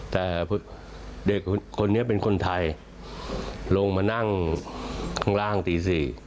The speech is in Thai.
แต่เด็กคนนี้เป็นคนไทยลงมานั่งข้างล่างตี๔